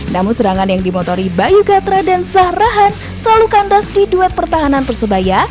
namun serangan yang dimotori bayu gatra dan sahrahan selalu kandas di duet pertahanan persebaya